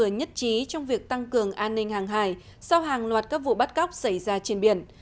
tuy nhiên indonesia đã trở thành một trong những trường an ninh hàng hài sau hàng loạt các vụ bắt cóc xảy ra trên biển